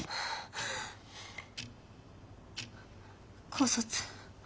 高卒。